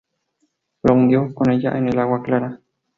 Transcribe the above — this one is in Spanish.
Lo hundió con ella en el agua clara.